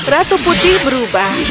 ratu putih berubah